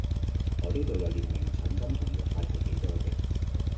我哋呢度有列明診金同藥費係幾多嘅